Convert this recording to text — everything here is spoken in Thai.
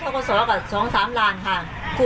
อ๋อเจ้าสีสุข่าวของสิ้นพอได้ด้วย